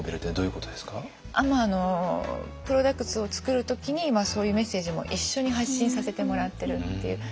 プロダクツを作る時にそういうメッセージも一緒に発信させてもらってるっていう。